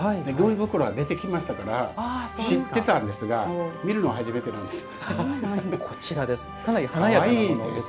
茱萸袋は出てきましたから知ってましたが見るのは初めてなんです。